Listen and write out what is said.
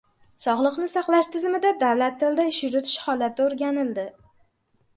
Sog‘liqni saqlash tizimida davlat tilida ish yuritish holati o‘rganildi